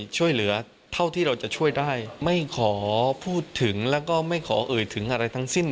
ช่วยเหลือเท่าที่เราจะช่วยได้ไม่ขอพูดถึงแล้วก็ไม่ขอเอ่ยถึงอะไรทั้งสิ้น